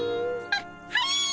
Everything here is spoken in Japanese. あっはい。